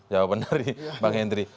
jawaban dari bang hendri